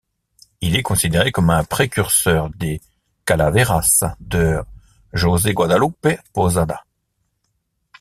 Il est considéré comme un précurseur des calaveras de José Guadalupe Posada.